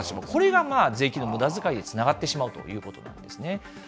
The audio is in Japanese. これが、税金のむだづかいにつながってしまうということなんですね。